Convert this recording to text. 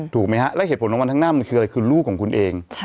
ถูกไหมฮะแล้วเหตุผลของวันข้างหน้ามันคืออะไรคือลูกของคุณเอง